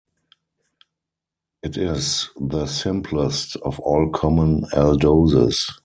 It is the simplest of all common aldoses.